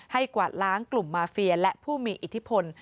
กวาดล้างกลุ่มมาเฟียและผู้มีอิทธิพล